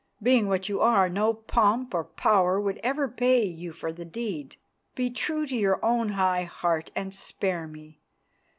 Being what you are, no pomp or power would ever pay you for the deed. Be true to your own high heart and spare me.